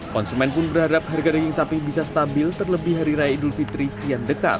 konsumen pun berharap harga daging sapi bisa stabil terlebih hari raya idul fitri kian dekat